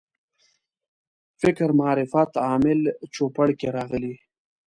فکر معرفت عامل چوپړ کې راغلي.